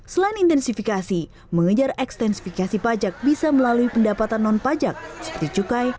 selain intensifikasi mengejar ekstensifikasi pajak bisa melalui pendapatan non pajak seperti cukai